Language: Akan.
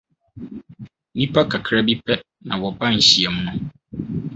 Nnipa kakraa bi pɛ na wɔba nhyiam no.